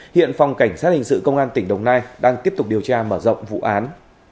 hiện phòng cảnh sát hình sự công an tỉnh đồng nai đang tiếp tục điều tra mở rộng vụ án